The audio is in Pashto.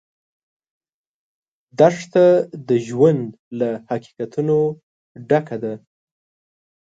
دښته د ژوند له حقیقتونو ډکه ده.